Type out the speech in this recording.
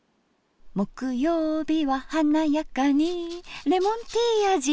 「木曜日は華やかにレモンティー味」